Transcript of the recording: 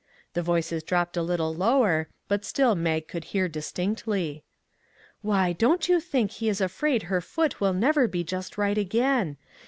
The voices dropped a little lower, but still Mag could hear distinctly. " Why, don't you think he is afraid her foot will never be just right again!